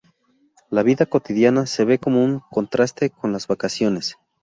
La vida cotidiana se ve como un contraste con las vacaciones.